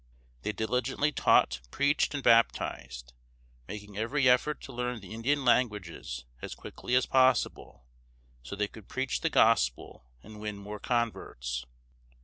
They diligently taught, preached, and baptized, making every effort to learn the Indian languages as quickly as possible, so they could preach the gospel and win more converts.